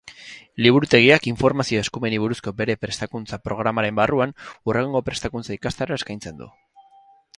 Liburutegiak informazio eskumenei buruzko bere prestakuntza programaren barruan hurrengo prestakuntza ikastaroa eskaintzen du.